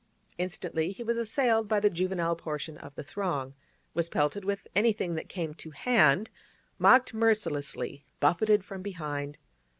Instantly he was assailed by the juvenile portion of the throng, was pelted with anything that came to hand, mocked mercilessly, buffeted from behind.